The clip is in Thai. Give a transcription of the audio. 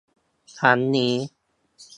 ครั้งนี้